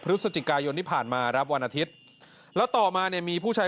พฤศจิกายนที่ผ่านมาครับวันอาทิตย์แล้วต่อมาเนี่ยมีผู้ชาย